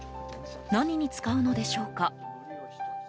何に使うのでしょうか？